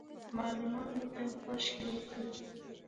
معلمانو ته خشکې وکړې.